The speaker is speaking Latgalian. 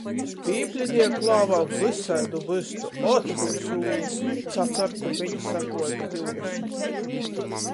Pīplidieju klāvā vysaidu vystu, ot byus ūlu! Cacarku viņ saguoja pi divdesmit.